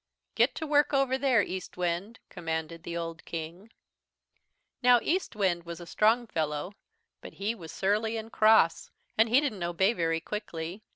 "'Get to work over there, Eastwind,' commanded the old King. "Now Eastwind was a strong fellow, but he was surly and cross and he didn't obey very quickly.